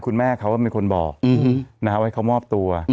คุณแม่เขาเป็นคนบอกว่าให้เขามอบตัว